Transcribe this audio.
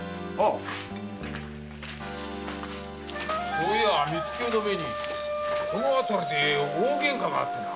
そういやあ三月ほど前にこの辺りで大喧嘩があってな。